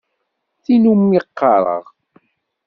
Tin umi qqareɣ.